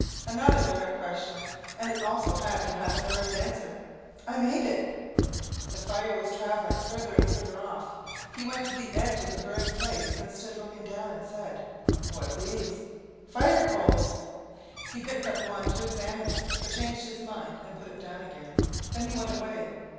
Another direct question, and it also had to have a direct answer. "I made it." The fire was traveling farther and farther off. He went to the edge of the burned place and stood looking down, and said: "What are these?" "Fire coals." He picked up one to examine it, but changed his mind and put it down again. Then he went away.